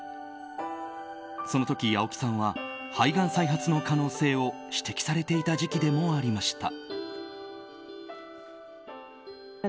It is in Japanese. その時、青木さんは肺がん再発の可能性を指摘されていた時期でもありました。